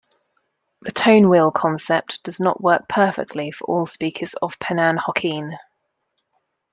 The "tone wheel" concept does not work perfectly for all speakers of Penang Hokkien.